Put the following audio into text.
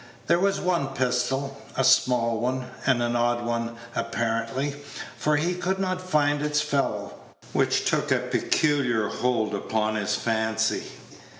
There was one pistol, a small one, and an odd one apparently, for he could not find its fellow, which took a peculiar hold upon his fancy.